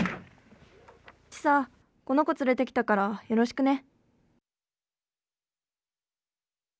チサこの子連れてきたからよろしくね。